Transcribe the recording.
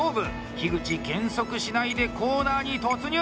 樋口、減速しないでコーナーに突入！